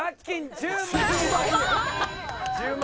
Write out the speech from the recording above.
１０万。